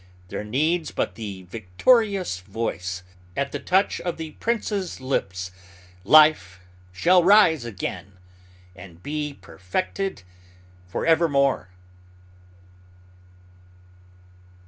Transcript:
There needs but the Victorious Voice. At the touch of the prince's lips, life shall rise again and be perfected forevermore.